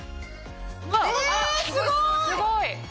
すごい。